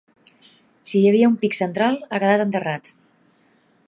Si hi havia un pic central, ha quedat enterrat.